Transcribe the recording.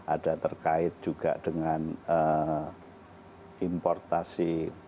ada terkait juga dengan importasi